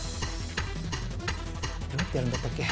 どうやってやるんだったっけ？